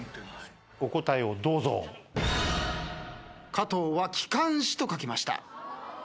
加藤は「きかんし」と書きました。